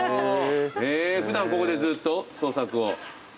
普段ここでずっと創作を？